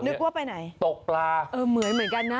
นึกว่าไปไหนตกปลาเออเหมือนเหมือนกันนะ